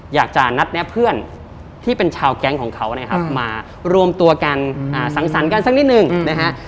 อยากจะนัดแนะเพื่อนที่เป็นชาวแก๊งของเขานะครับมารวมตัวกันสังสรรค์กันสักนิดหนึ่งนะฮะ